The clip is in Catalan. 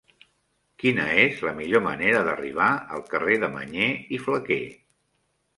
Quina és la millor manera d'arribar al carrer de Mañé i Flaquer?